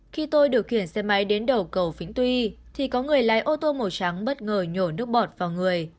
khi tôi điều kiển xe máy đến đầu cầu phính tuy thì có người lái ô tô màu trắng bất ngờ nhổ nước bọt vào người